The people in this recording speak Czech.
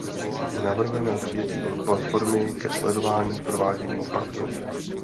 Navrhujeme přijetí platformy ke sledování provádění Paktu.